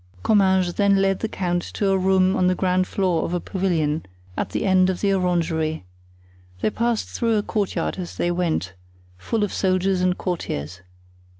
Comminges then led the count to a room on the ground floor of a pavilion, at the end of the orangery. They passed through a courtyard as they went, full of soldiers and courtiers.